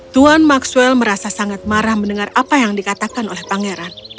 tuan maxwell merasa sangat marah mendengar apa yang dikatakan oleh pangeran